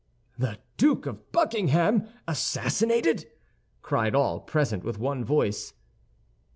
"The Duke of Buckingham assassinated!" cried all present, with one voice.